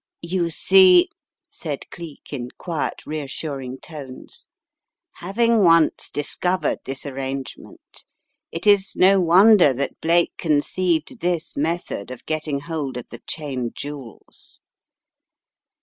"You see," said Cleek, in quiet, reassuring tones, "having once discovered this arrangement it is no wonder that Blake conceived this method of getting hold of the Cheyne jewels.